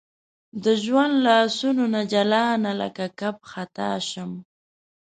د ژوند لاسونو نه جلانه لکه کب خطا شم